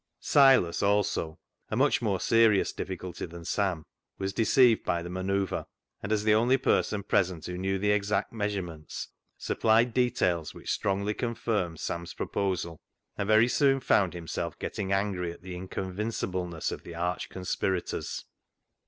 Silas also — a much more serious difficulty than Sam — was deceived by the manoeuvre, and, as the only person present who knew the exact measurements, supplied details which strongly confirmed Sam's proposal, and very soon found himself getting angry at the incon vinceableness of the arch conspirators.